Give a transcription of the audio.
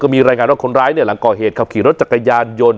มีรายงานว่าคนร้ายเนี่ยหลังก่อเหตุขับขี่รถจักรยานยนต์